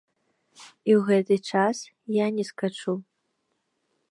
І ў гэты час я не скачу.